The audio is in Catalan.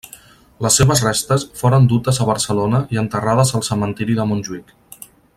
Les seves restes foren dutes a Barcelona i enterrades al Cementiri de Montjuïc.